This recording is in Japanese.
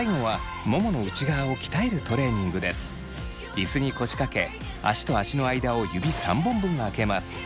椅子に腰掛け足と足の間を指３本分あけます。